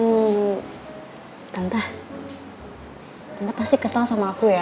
hmm tante tante pasti kesel sama aku ya